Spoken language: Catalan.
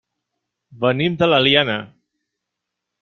Venim de l'Eliana.